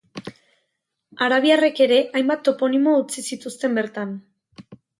Arabiarrek ere hainbat toponimo utzi zituzten bertan.